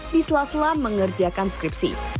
di sela sela mengerjakan skripsi